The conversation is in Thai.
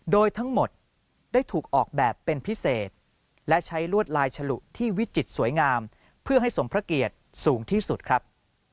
โดยทั้งหมดได้ถูกออกแบบเป็นพิเศษและใช้ลวดลายฉลุที่วิจิตรสวยงามเพื่อให้สมพระเกียรติสูงที่สุดครับ